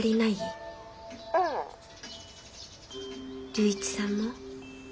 龍一さんも？